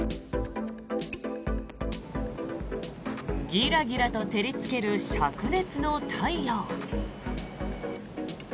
ギラギラと照りつけるしゃく熱の太陽。